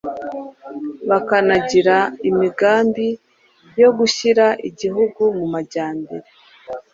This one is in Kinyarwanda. bakanagira imigambi yo gushyira igihugu mu majyambere